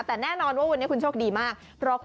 แต่แน่นอนว่าวันนี้คุณโชคดีมาก